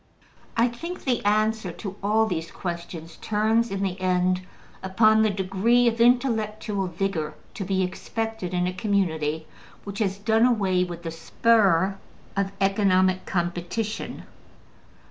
I think the answer to all these questions turns, in the end, upon the degree of intellectual vigor to be expected in a community which has done away with the spur of economic competition.